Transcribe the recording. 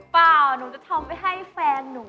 เปล่าหนูจะทำไปให้แฟนหนู